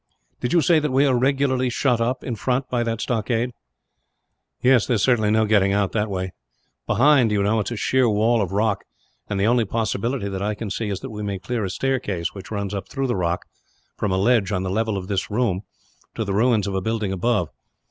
"Did you say that we are regularly shut up, in front, by that stockade?" "Yes; there is certainly no getting out, that way. Behind, you know, it is a sheer wall of rock; and the only possibility, that I can see, is that we may clear a staircase which runs up through the rock, from a ledge on the level of this room, to the ruins of a building above.